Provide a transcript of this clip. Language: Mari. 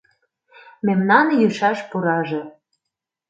Мемнан йӱшаш пураже